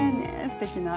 すてきな。